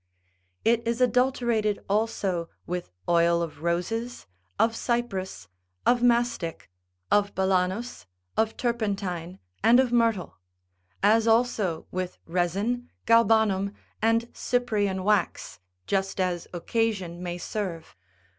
It is adulterated also with oil of roses, of Cyprus, of mastich, of balanus, of turpentine, and of myrtle, as also with resin, galbanum, and Cyprian wax, just as occasion may serve.